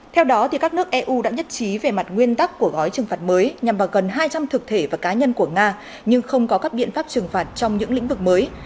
theo đó các nước eu đã nhất trí về mặt nguyên tắc của gói trừng phạt mới nhằm vào gần hai trăm linh thực thể và cá nhân của nga nhưng không có các biện pháp trừng phạt trong những lĩnh vực mới